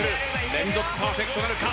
連続パーフェクトなるか！？